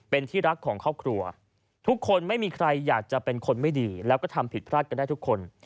เป็นที่รักของครอบครัวทุกคนไม่มีใครอยากจะเป็นคนไม่ดีแล้วก็ทำผิดพลาดกันได้ทุกคน